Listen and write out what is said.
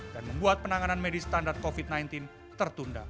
dan membuat penanganan medis standar covid sembilan belas tertunda